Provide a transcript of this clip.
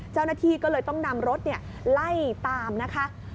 เจ้าหน้าที่ก็เลยต้องนำรถไล่ตามนะคะ